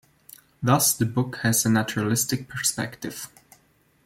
Thus, the book has a naturalistic perspective.